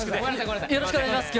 よろしくお願いします。